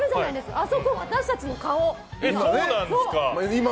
あそこ私たちの顔。